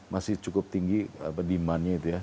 masih cukup tinggi demandnya itu ya